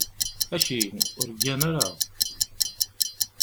Aki, ur ggan ara.